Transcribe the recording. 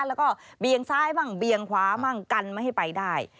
แล้วก็เบียงซ้ายบ้างเบียงขวามั่งกันไม่ให้ไปได้